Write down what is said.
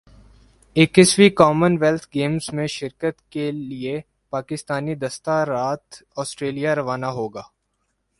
اکیسویں Commonwealth Games میں شرکت کے لئے پاکستانی دستہ رات سٹریلیا روانہ ہو گا